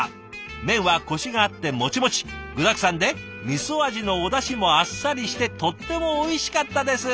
麺はコシがあってモチモチ具だくさんでみそ味のおだしもあっさりしてとってもおいしかったです！」。